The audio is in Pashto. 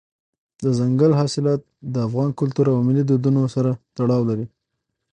دځنګل حاصلات د افغان کلتور او ملي دودونو سره تړاو لري.